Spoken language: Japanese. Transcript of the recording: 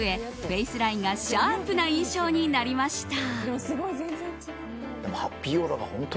フェイスラインがシャープな印象になりました。